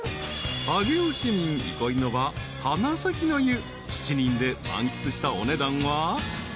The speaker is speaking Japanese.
［上尾市民憩いの場花咲の湯７人で満喫したお値段は］